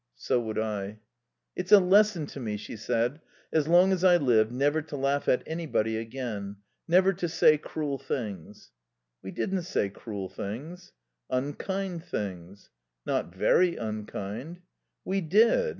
"So would I." "It's a lesson to me," she said, "as long as I live, never to laugh at anybody again. Never to say cruel things." "We didn't say cruel things." "Unkind things." "Not very unkind." "We did.